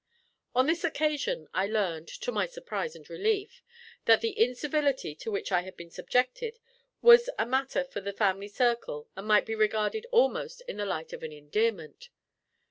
On this occasion, I learned (to my surprise and relief) that the incivility to which I had been subjected was a matter for the family circle and might be regarded almost in the light of an endearment.